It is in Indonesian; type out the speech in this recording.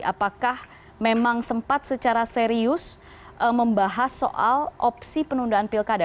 apakah memang sempat secara serius membahas soal opsi penundaan pilkada